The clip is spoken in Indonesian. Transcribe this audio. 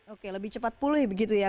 oke lebih cepat pulih begitu ya